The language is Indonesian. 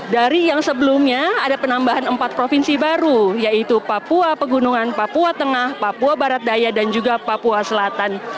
dari yang sebelumnya ada penambahan empat provinsi baru yaitu papua pegunungan papua tengah papua barat daya dan juga papua selatan